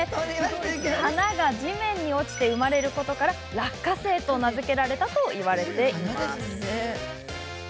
花が地面に落ち生まれることから落花生と名付けられたといわれています。